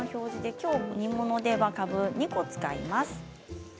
きょうは煮物でかぶを２個使います。